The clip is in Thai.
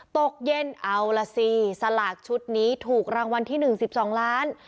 ตกเย็นเอาล่ะสิสลากชุดนี้ถูกรางวัลที่๑๑๒ล้าน